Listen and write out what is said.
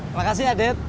makasih ya dad